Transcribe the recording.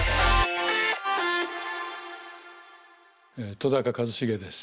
戸一成です。